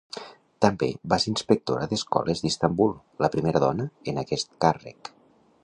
També va ser inspectora d'escoles d'Istanbul, la primera dona en aquest càrrec.